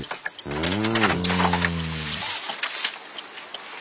うん。